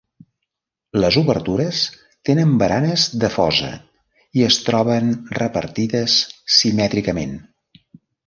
Les obertures tenen baranes de fosa i es troben repartides simètricament.